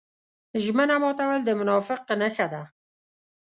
ژمنه ماتول د منافق نښه ده.